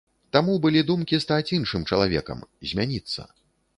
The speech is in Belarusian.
Таму былі думкі стаць іншым чалавекам, змяніцца.